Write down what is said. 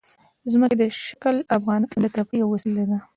ځمکنی شکل د افغانانو د تفریح یوه وسیله ده.